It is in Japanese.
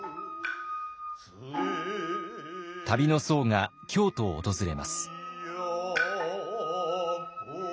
旅の僧が京都を訪れます。